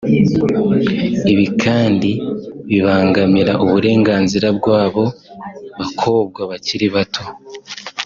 Ibi kandi bibangamira uburenganzira bw’abo bakobwa bakiri bato